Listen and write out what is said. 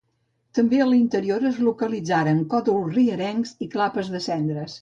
També a l'interior es localitzaren còdols rierencs i clapes de cendres.